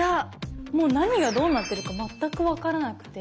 何がどうなってるか全く分からなくて。